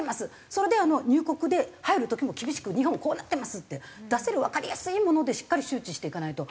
それで入国で入る時も厳しく「日本こうなってます」って出せるわかりやすいものでしっかり周知していかないと。